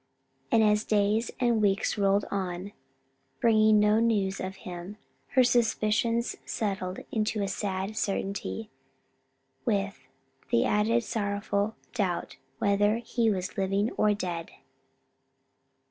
And as days and weeks rolled on bringing no news of him, her suspicions settled into a sad certainty; with the added sorrowful doubt whether he were living or dead.